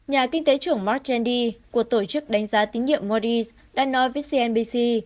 nhà kinh tế trưởng mark jandy của tổ chức đánh giá tín nhiệm maudis đã nói với cnbc